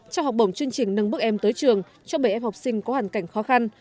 trong học bổng chương trình nâng bước em tới trường cho bảy em học sinh có hoàn cảnh khó khăn